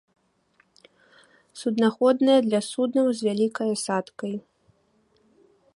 Суднаходная для суднаў з вялікай асадкай.